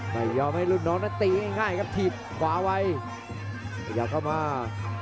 ไม่ยอมให้ลุ่นน้องนะตีง่ายกับทีดขวาไวอยากเข้ามา